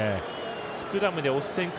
スクラムで押す展開